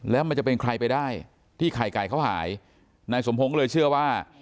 แล้วมันจะเป็นใครไปได้ที่ไข่ไก่เขาหายนายสมพงศ์ก็เลยเชื่อว่า